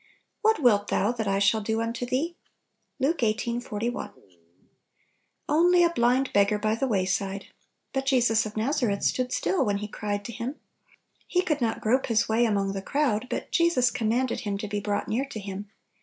"What wilt thou that I shall do unto thee?" Luke xviiL 41. ONLY a blind beggar by the wayside ? But Jesus of Nazareth stood still when He cried to Him. He could not grope his way among the crowd, but Jesus commanded him to be brought near to Him.